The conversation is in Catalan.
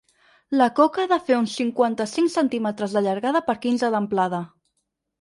La coca ha de fer uns cinquanta-cinc centímetres de llargada per quinze d’amplada.